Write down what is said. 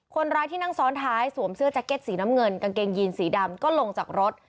คนร้ายที่นั่งซ้อนท้ายสวมเสื้อแจ็คเก็ตสีน้ำเงินกางเกงยีนสีดำก็ลงจากรถ